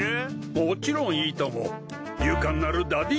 もちろんいいとも勇敢なるダディ